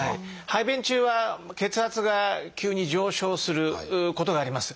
排便中は血圧が急に上昇することがあります。